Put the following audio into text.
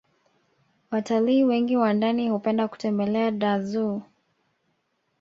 watalii wengi wa ndani hupenda kutembelea dar zoo